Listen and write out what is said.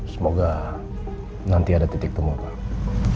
semoga nanti ada titik temu kami